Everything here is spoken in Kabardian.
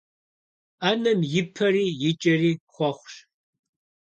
Ӏэнэм и пэри и кӀэри хъуэхъущ.